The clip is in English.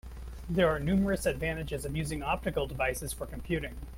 There are numerous advantages of using optical devices for computing.